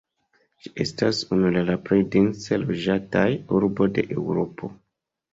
Ĝi estas unu el la plej dense loĝataj urbo de Eŭropo.